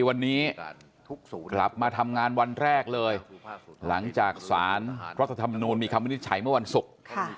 วันนี้กลับมาทำงานวันแรกเลยหลังจากสารรัฐธรรมนูลมีคำวินิจฉัยเมื่อวันศุกร์